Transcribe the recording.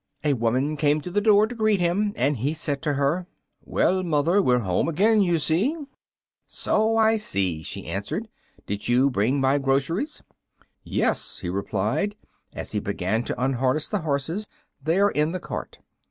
A woman came to the door to greet him, and he said to her, "Well, mother, we're home again, you see." "So I see," she answered; "but did you bring my groceries?" "Yes," he replied, as he began to unharness the horses; "they are in the cart."